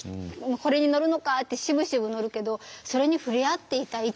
「これに乗るのか」ってしぶしぶ乗るけどそれに触れ合っていたい